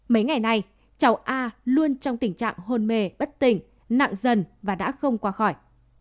mấy ngày nay cháu a luôn trong tình trạng hôn mê bất tỉnh nặng dần và đã không qua khỏi